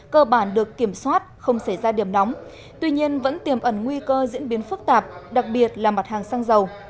cơ bản được kiểm soát không xảy ra điểm nóng tuy nhiên vẫn tiềm ẩn nguy cơ diễn biến phức tạp đặc biệt là mặt hàng xăng dầu